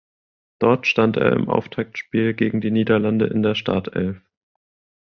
Dort stand er im Auftaktspiel gegen die Niederlande in der Startelf.